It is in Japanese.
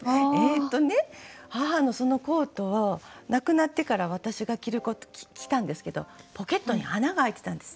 母のそのコートは亡くなってから私が着たんですけどポケットに穴があいていたんですね。